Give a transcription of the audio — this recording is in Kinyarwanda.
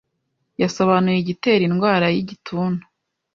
yasobanuye igitera indwara y’igituntu